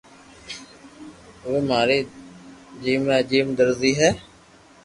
اووي ماري جيم را جيم درزي ھي